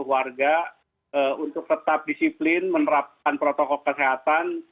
dan saya meminta kepada keluarga untuk tetap disiplin menerapkan protokol kesehatan